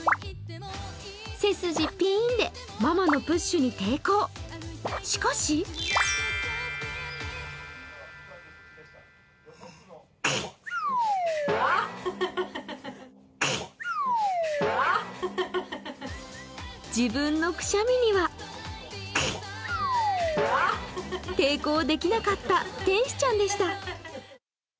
背筋ピーンで、ママのプッシュに抵抗、しかし自分のくしゃみには抵抗できなかった天使ちゃんでした。